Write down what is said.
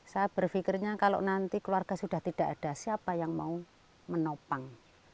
saya berpikirnya kalau nanti keluarga sudah tidak ada siapa yang mau menopang